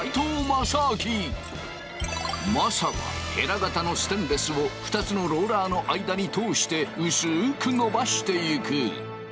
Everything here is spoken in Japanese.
政はヘラ型のステンレスを２つのローラーの間に通して薄くのばしていく。